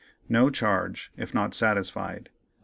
No charge, if not satisfied.